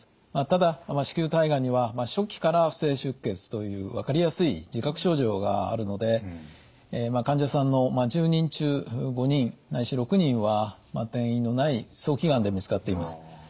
ただ子宮体がんには初期から不正出血という分かりやすい自覚症状があるので患者さんの１０人中５人ないし６人は転移のない早期がんで見つかっています。